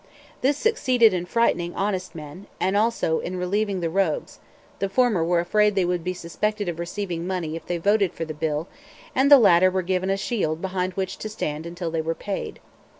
This succeeded in frightening honest men, and also in relieving the rogues; the former were afraid they would be suspected of receiving money if they voted for the bill, and the latter were given a shield behind which to stand until they were paid.